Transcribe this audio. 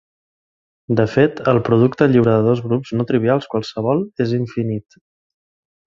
De fet, el producte lliure de dos grups no trivials qualssevol és infinit.